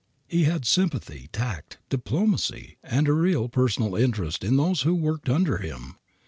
He had sympathy, tact, diplomacy, and a real personal interest in those who worked under him.